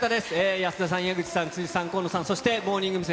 保田さん、矢口さん、辻さん、紺野さん、そしてモーニング娘。